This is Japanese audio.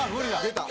「出た」